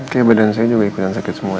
kayak badan saya juga ikutan sakit semua deh